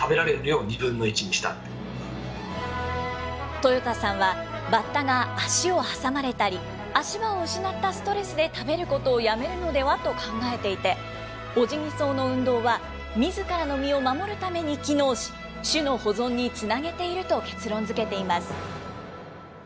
豊田さんは、バッタが足を挟まれたり、足場を失ったストレスで食べることをやめるのではと考えていて、オジギソウの運動は、みずからの身を守るために機能し、種の保存につなげていると結論づけています。